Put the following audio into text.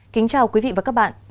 kính chào quý vị và các bạn